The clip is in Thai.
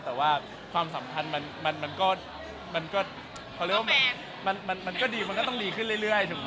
แต่ว่าความสัมพันธ์มันก็เขาเรียกว่ามันก็ดีมันก็ต้องดีขึ้นเรื่อยถูกไหม